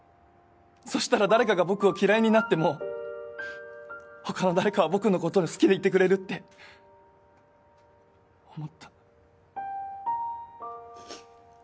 そしたら誰かが僕を嫌いになっても他の誰かは僕の事好きでいてくれるって思った。